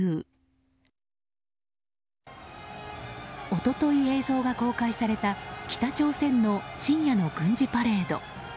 一昨日、映像が公開された北朝鮮の深夜の軍事パレード。